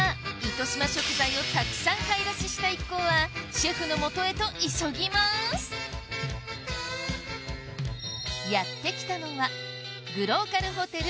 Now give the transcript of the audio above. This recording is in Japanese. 糸島食材をたくさん買い出しした一行はシェフの元へと急ぎますやって来たのはグローカルホテル